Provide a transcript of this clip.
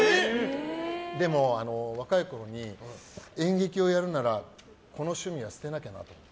でも若いころに演劇をやるならこの趣味は捨てなきゃなって。